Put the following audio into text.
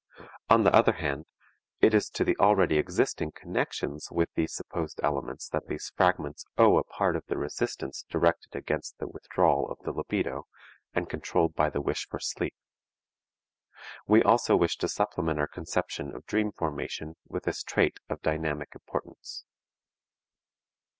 On the other hand, it is to the already existing connections with these supposed elements that these fragments owe a part of the resistance directed against the withdrawal of the libido, and controlled by the wish for sleep. We also wish to supplement our conception of dream formation with this trait of dynamic importance.